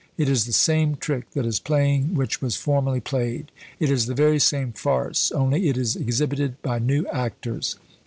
It is the same trick that is playing which was formerly played; it is the very same farce, only it is exhibited by new actors.